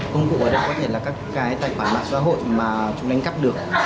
công cụ ở đó có thể là các cái tài khoản mạng xã hội mà chúng đánh cắp được